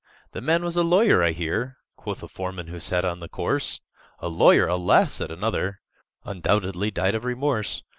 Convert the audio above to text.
"The man was a lawyer, I hear," Quoth the foreman who sat on the corse. "A lawyer? Alas!" said another, "Undoubtedly died of remorse!"